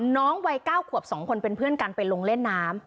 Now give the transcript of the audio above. น้องวัย๙ขวบ๒คนเป็นเพื่อนกันไปลงเล่นน้ำ